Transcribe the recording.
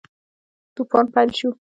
توپان پیل شو.